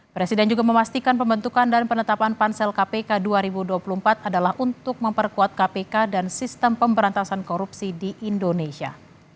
presiden juga memastikan pembentukan dan penetapan pansel kpk dua ribu dua puluh empat adalah untuk memperkuat kpk dan sistem pemberantasan korupsi di indonesia